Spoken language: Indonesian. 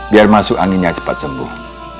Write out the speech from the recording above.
biar masuk anginnya cepat sembuh